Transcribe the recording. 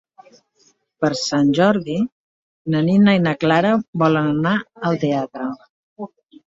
Per Sant Jordi na Nina i na Clara volen anar al teatre.